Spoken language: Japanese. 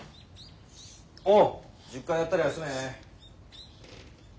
おう１０回やったら休め。